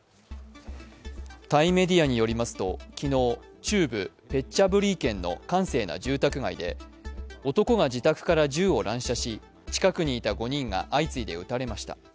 タイメディアによりますと昨日、中部ペッチャブリー県の閑静な住宅街で男が自宅から銃を乱射し近くにいた５人が相次いで撃たれました。